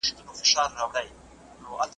ما په لار د انتظار کي تور د سترګو درته سپین کړل .